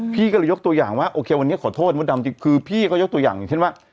พี่ก็เลยยกตัวอย่างว่าโอเควันนี้ขอโทษมดดำจริงคือพี่ก็ยกตัวอย่างอย่างเช่นว่า